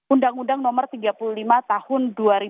undang undang nomor tiga puluh lima tahun dua ribu dua